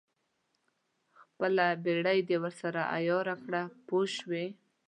خپله بېړۍ دې ورسره عیاره کړه پوه شوې!.